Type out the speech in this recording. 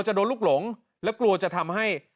จะโดนลูกหลงแล้วกลัวจะทำให้